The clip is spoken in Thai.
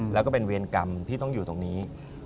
แล้วก็เป็นเวรกรรมที่ต้องอยู่ตรงนี้